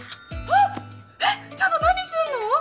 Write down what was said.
えっちょっと何すんの！？